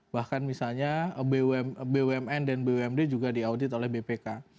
bahkan misalnya bumn dan bumd juga diaudit oleh bpk